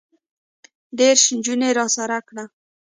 دېرش نجونې راسره کړه.